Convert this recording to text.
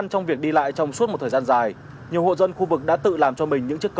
trong chương trình festival huế